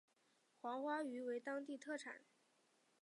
黄花鱼为当地特产。